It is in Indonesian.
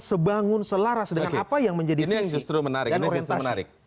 sebangun selaras dengan apa yang menjadi fisi dan orientasi